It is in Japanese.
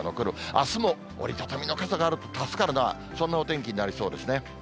あすも折り畳みの傘があると助かるな、そんなお天気になりそうですね。